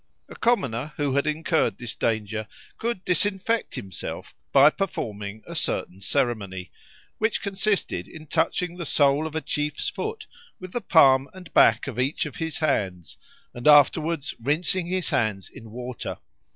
A commoner who had incurred this danger could disinfect himself by performing a certain ceremony, which consisted in touching the sole of a chief's foot with the palm and back of each of his hands, and afterwards rinsing his hands in water.